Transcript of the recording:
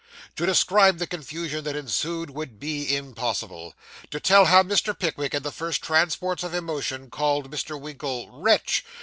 To describe the confusion that ensued would be impossible. To tell how Mr. Pickwick in the first transports of emotion called Mr. Winkle 'Wretch!